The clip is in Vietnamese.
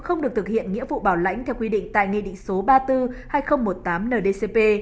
không được thực hiện nghĩa vụ bảo lãnh theo quy định tại nghị định số ba mươi bốn hai nghìn một mươi tám ndcp